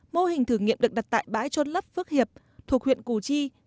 mô hình thử nghiệm được đặt tại bãi trôn lấp phước hiệp thuộc huyện củ chi